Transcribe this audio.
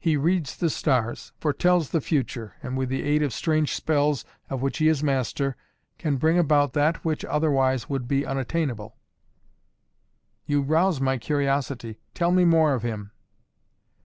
"He reads the stars foretells the future and, with the aid of strange spells of which he is master, can bring about that which otherwise would be unattainable " "You rouse my curiosity! Tell me more of him."